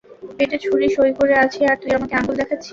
পেটে ছুরি সই করে আছি আর তুই আমাকে আঙ্গুল দেখাচ্ছিস?